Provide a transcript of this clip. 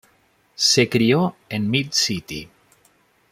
Se crio en Mid-City.